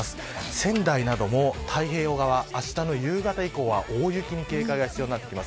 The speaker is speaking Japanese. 仙台なども太平洋側あしたの夕方以降は大雪に警戒が必要です。